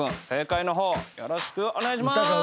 正解の方よろしくお願いします。